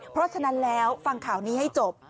เพราะฉะนั้นแล้วฟังข่าวนี้ให้จบ